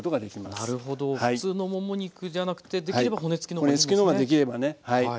なるほど普通のもも肉じゃなくてできれば骨付きの方がいいんですね。